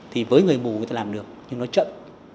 thì với người bù người ta làm được nhưng nó chậm